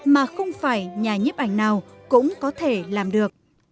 mà không phải nhà nhếp ảnh nào cũng có thể làm được